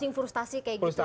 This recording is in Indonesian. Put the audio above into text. mesti frustasi kayak gitu